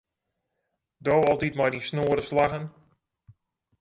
Do altyd mei dyn snoade slaggen.